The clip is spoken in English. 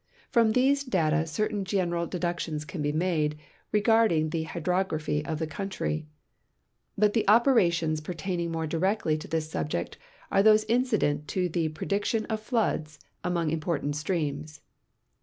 From these data certain general deductions can be made regard ing the h}'drography of the country, Vmt the operations i)ertaining more directly to this subject are those incident to the prediction of floods along important streams.